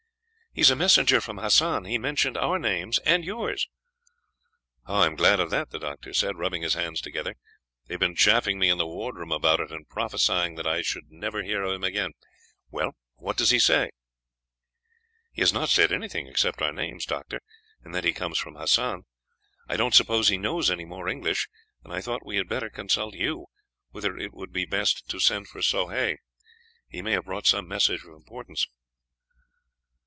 "He is a messenger from Hassan; he mentioned our names and yours." "Ah, I am glad of that," the doctor said, rubbing his hands together; "they have been chaffing me in the wardroom about it, and prophesying that I should never hear of him again. Well, what does he say?" "He has not said anything except our names, Doctor, and that he comes from Hassan. I don't suppose he knows any more English, and I thought we had better consult you, whether it would be best to send for Soh Hay; he may have brought some message of importance."